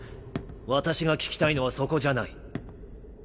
私が聞きたいのはそこじゃない。